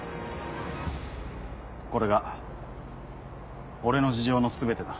これが俺の事情の全てだ。